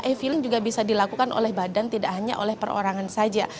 e filing juga bisa dilakukan oleh badan tidak hanya oleh perorangan saja